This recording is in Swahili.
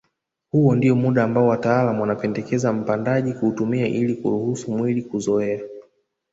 Huo ndio muda ambao wataalam wanapendekeza mpandaji kuutumia ili kuruhusu mwili kuzoea